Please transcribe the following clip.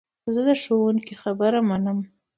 زه د ښوونکو خبره منم.